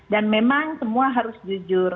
dan memang semua harus jujur